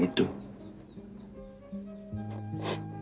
menang takut quran